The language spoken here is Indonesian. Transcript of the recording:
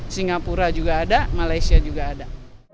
singapura juga ada malaysia juga ada